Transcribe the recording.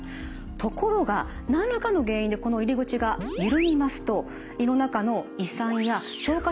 ところが何らかの原因でこの入り口が緩みますと胃の中の胃酸や消化